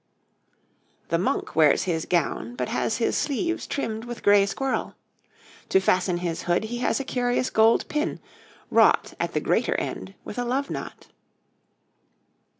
"' THE MONK wears his gown, but has his sleeves trimmed with gray squirrel. To fasten his hood he has a curious gold pin, wrought at the greater end with a love knot.